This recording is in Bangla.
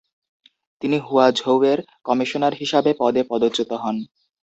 তিনি হুয়াঝৌয়ের কমিশনার হিসাবে পদে পদচ্যুত হন।